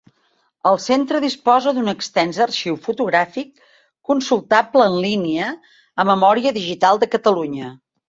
El Centre disposa d'un extens arxiu fotogràfic, consultable en línia a Memòria Digital de Catalunya.